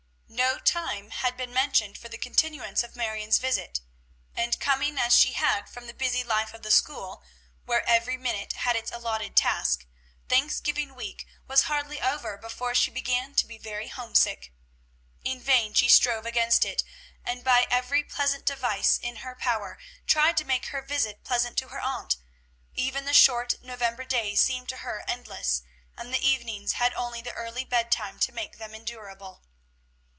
No time had been mentioned for the continuance of Marion's visit; and coming as she had from the busy life of the school, where every minute had its allotted task, Thanksgiving week was hardly over before she began to be very homesick. In vain she strove against it, and by every pleasant device in her power tried to make her visit pleasant to her aunt. Even the short November days seemed to her endless, and the evenings had only the early bedtime to make them endurable.